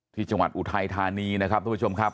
ที่จังหวัดอุทัยธานีนะครับทุกผู้ชมครับ